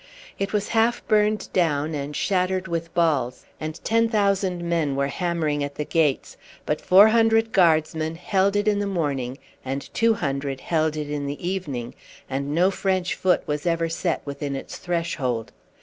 It was half burned down, and shattered with balls, and ten thousand men were hammering at the gates; but four hundred guardsmen held it in the morning and two hundred held it in the evening, and no French foot was ever set within its threshold.